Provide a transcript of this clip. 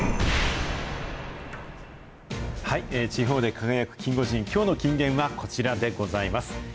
地方で輝くキンゴジン、きょうの金言はこちらでございます。